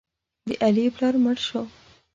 د علي پلار مړ شو.